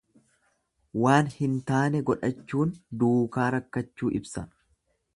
Waan hin taane godhachuun duukaa rakkachuu ibsa.